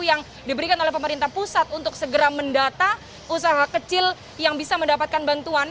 yang diberikan oleh pemerintah pusat untuk segera mendata usaha kecil yang bisa mendapatkan bantuan